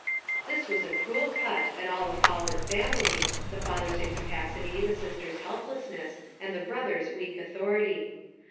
This was a cruel cut at all the fallen family, the father's incapacity, the sister's helplessness, and the brother's weak authority.